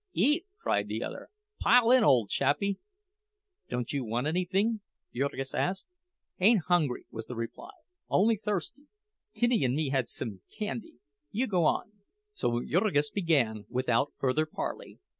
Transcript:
"Eat!" cried the other. "Pile in, ole chappie!" "Don't you want anything?" Jurgis asked. "Ain't hungry," was the reply—"only thirsty. Kitty and me had some candy—you go on." So Jurgis began, without further parley.